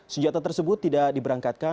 senjata tersebut tidak diberangkat